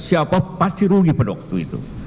siapa pasti rugi pada waktu itu